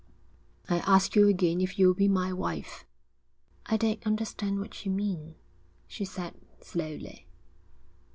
'I ask you again if you'll be my wife.' 'I don't understand what you mean,' she said slowly.